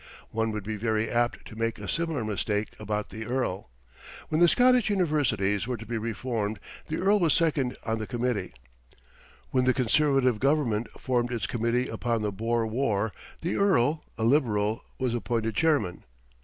One would be very apt to make a similar mistake about the Earl. When the Scottish Universities were to be reformed the Earl was second on the committee. When the Conservative Government formed its Committee upon the Boer War, the Earl, a Liberal, was appointed chairman.